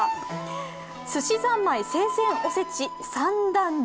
すしざんまい生鮮おせち三段重。